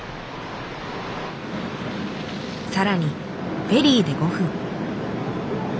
さらにフェリーで５分。